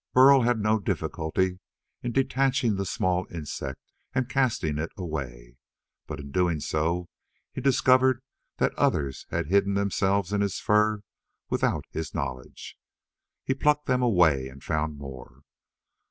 Burl had no difficulty in detaching the small insect and casting it away, but in doing so he discovered that others had hidden themselves in his fur without his knowledge. He plucked them away and found more.